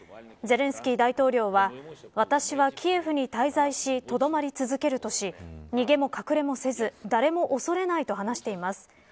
ゼレンスキー大統領は私はキエフに滞在しとどまり続けるとし逃げも隠れもせず誰も恐れないと話しています。